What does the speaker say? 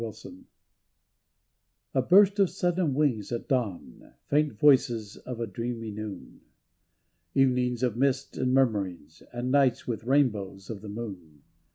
279 HOME A BURST of sudden wings at dawn, Faint voices in a dreamy noon, Evenings of mist and murmurings, And nights with rainbows of the moon.